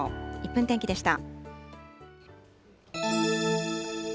１分天気でした。